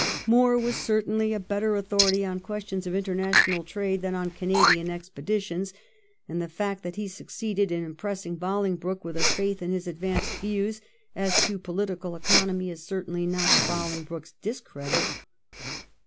Moor was certainly a better authority on questions of international trade than on Canadian expeditions, and the fact that he succeeded in impressing Bolingbroke with a faith in his ad vanced views as to political economy is certainly not to Bolingbroke's discredit.